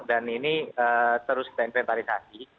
dan ini terus kita inventarisasi